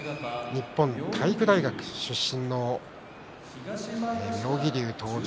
日本体育大学出身の妙義龍、登場。